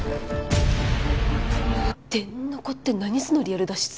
電ノコって何そのリアル脱出ゲーム。